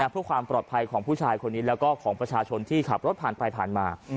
เพื่อความปลอดภัยของผู้ชายคนนี้แล้วก็ของประชาชนที่ขับรถผ่านไปผ่านมา